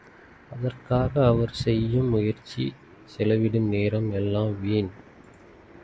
அதற்காக அவர் செய்யும் முயற்சி, செலவிடும் நேரம் எல்லாம் வீண்.